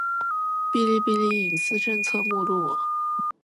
《哔哩哔哩隐私政策》目录